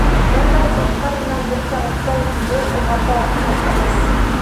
Бындай заттар менән бер карапта йөҙөү уғата ҡурҡыныс.